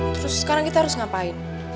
terus sekarang kita harus ngapain